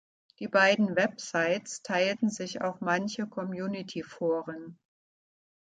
Die beiden Websites teilten sich auch manche Community-Foren.